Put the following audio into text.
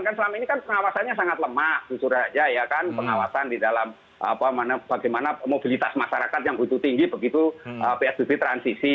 kan selama ini kan pengawasannya sangat lemah jujur saja ya kan pengawasan di dalam bagaimana mobilitas masyarakat yang butuh tinggi begitu psbb transisi